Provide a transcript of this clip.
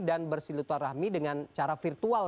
dan bersilaturahmi dengan cara virtual